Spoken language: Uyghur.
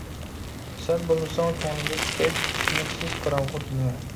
سەن بولمىساڭ كۆڭلۈمدە تۈتەك، چۈشىنىكسىز قاراڭغۇ دۇنيا.